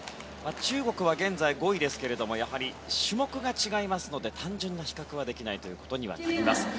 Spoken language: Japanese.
中国は現在５位ですけどもやはり種目が違いますので単純に比較はできないということになります。